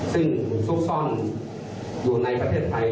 ซึ่งซุกซ่อนอยู่ในประเทศไทย